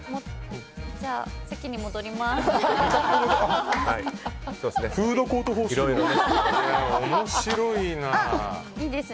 じゃあ、席に戻ります。